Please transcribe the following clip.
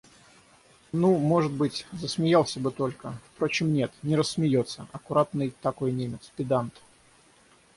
Ну, может быть, засмеялся бы только... Впрочем, нет, не рассмеется, — аккуратный такой немец, педант.